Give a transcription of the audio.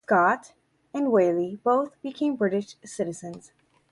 Scott and Whaley both became British citizens.